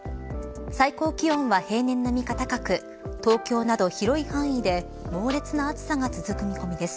最高気温は平年並みか高く東京など広い範囲で猛烈な暑さが続く見込みです。